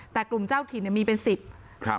แต่กลุ่มเจ้าถิ่นเนี่ยมีเป็นสิบครับ